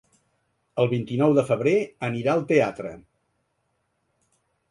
El vint-i-nou de febrer anirà al teatre.